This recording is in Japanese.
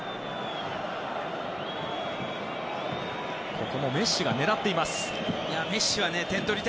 ここもメッシ、狙っていました。